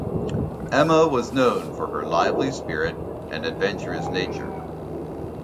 Emma was known for her lively spirit and adventurous nature.